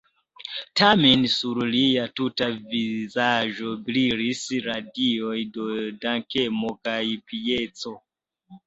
Tamen sur lia tuta vizaĝo brilis radioj de dankemo kaj pieco.